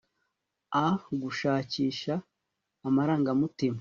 a-gushakisha amarangamutima